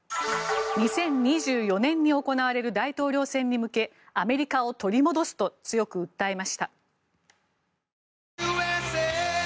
２０２４年に行われる大統領選に向けアメリカを取り戻すと強く訴えました。